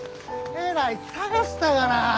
えらい捜したがな！